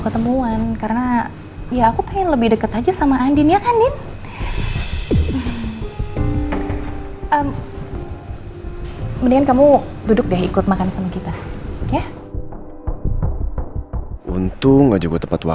terus trauma aku gak ada